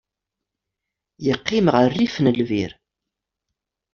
Yeqqim ɣef rrif n lbir.